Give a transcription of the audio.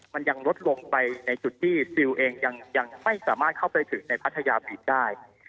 มันยังลดลงไปในจุดที่ซิลเองยังไม่สามารถเข้าไปถึงในพัทยาบีดได้